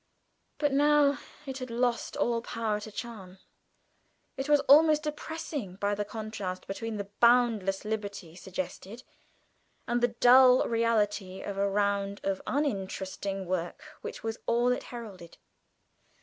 But now it had lost all power to charm. It was almost depressing by the contrast between the boundless liberty suggested, and the dull reality of a round of uninteresting work which was all it heralded.